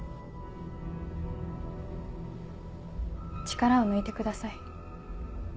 力を抜いてください。